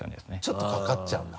ちょっとかかっちゃうんだ。